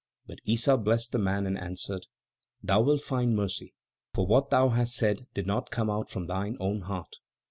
But Issa blessed the man and answered: "Thou wilt find mercy, for what thou hast said did not come out from thine own heart."